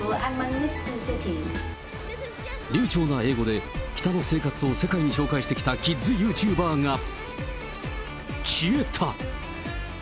流ちょうな英語で北の生活を世界に紹介してきたキッズユーチューバーが、消えた。